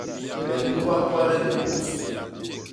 Me nluga kwade ni mpôs.